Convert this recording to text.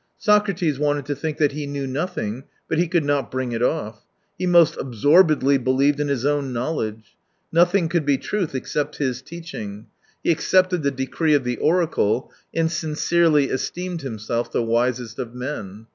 Socrates wanted to think that he knew nothing — but he could not bring it off. He most absorbedly believed in his own knowledge ; nothing could be " truth," except his teaching ; he accepted the decree of the oracle, and sincerely esteemed himself the wisest of men.